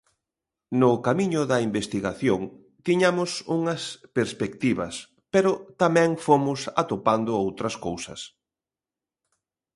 No camiño da investigación tiñamos unhas perspectivas pero tamén fomos atopando outras cousas.